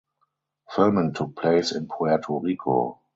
Filming took place in Puerto Rico.